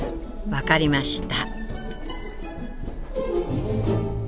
分かりました。